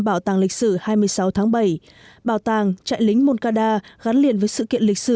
bảo tàng lịch sử hai mươi sáu tháng bảy bảo tàng trại lính moncada gắn liền với sự kiện lịch sử